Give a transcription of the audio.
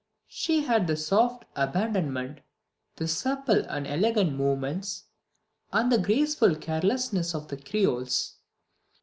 She had the soft abandonment, the supple and elegant movements, and the graceful carelessness of the creoles.